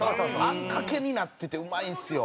あんかけになっててうまいんですよ。